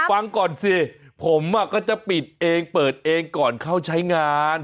ฟังก่อนสิผมก็จะปิดเองเปิดเองก่อนเข้าใช้งาน